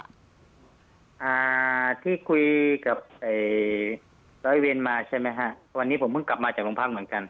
อ่าที่คุยกับเอ่อร้อยเวรมาใช่ไหมฮะวันนี้ผมเพิ่งกลับมาจากโรงพักเหมือนกัน